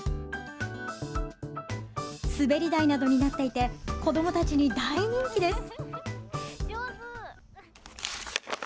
滑り台などになっていて子どもたちに大人気です。